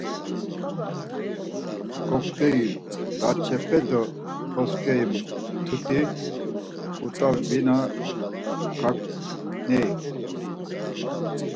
Goyktey laç̌epe do xrosǩeri mtuti ǩut̆avina kaǩney.